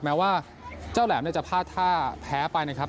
แม้ว่าเจ้าแหลมจะพลาดท่าแพ้ไปนะครับ